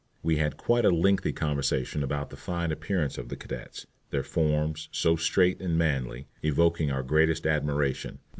We had quite a lengthy conversation about the fine appearance of the cadets, their forms, so straight and manly, evoking our greatest admiration.